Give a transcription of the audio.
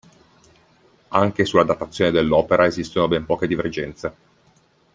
Anche sulla datazione dell'opera esistono ben poche divergenze.